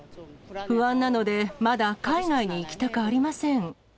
不安なので、まだ海外に行きたくありません。